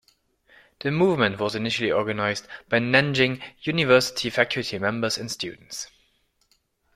The movement was initially organized by Nanjing University faculty members and students.